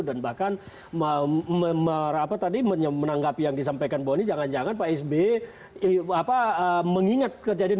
dan bahkan menanggapi yang disampaikan bonny jangan jangan pak psb mengingat kejadian dua ribu sembilan